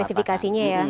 dengan spesifikasinya ya